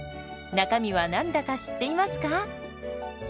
中身は何だか知っていますか？